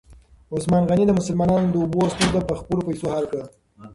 عثمان غني د مسلمانانو د اوبو ستونزه په خپلو پیسو حل کړه.